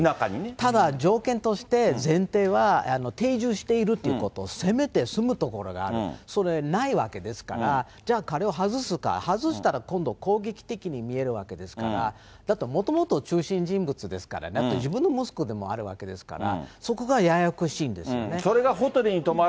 ただ、条件として、前提は定住しているということ、せめて住む所がある、それ、ないわけですから、じゃあ彼を外すか、外したら、今度、攻撃的に見えるわけですから、だって、もともと中心人物ですからね、だって自分の息子でもあるわけですから。